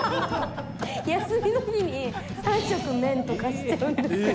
休みの日に３食麺とかしちゃうんですよ。